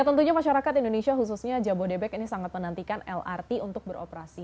tentunya masyarakat indonesia khususnya jabodebek ini sangat menantikan lrt untuk beroperasi